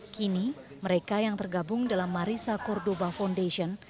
kini mereka yang tergabung dalam marisa cordoba foundation